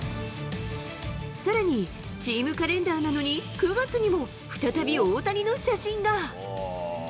さらに、チームカレンダーなのに９月にも、再び大谷の写真が。